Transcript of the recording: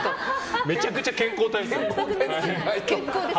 めちゃくちゃ健康体ですよ。